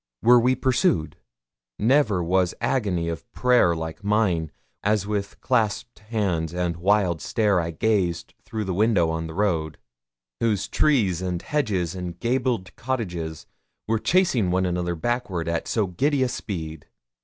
Were we pursued? Never was agony of prayer like mine, as with clasped hands and wild stare I gazed through the windows on the road, whose trees and hedges and gabled cottages were chasing one another backward at so giddy a speed.